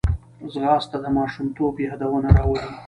ځغاسته د ماشومتوب یادونه راولي